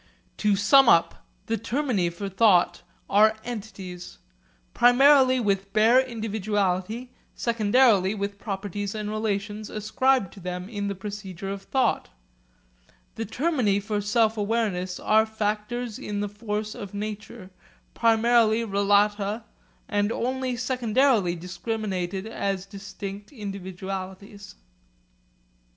To sum up: the termini for thought are entities, primarily with bare individuality, secondarily with properties and relations ascribed to them in the procedure of thought; the termini for sense awareness are factors in the fact of nature, primarily relata and only secondarily discriminated as distinct individualities.